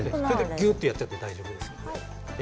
ぎゅうっとやっちゃって大丈夫です。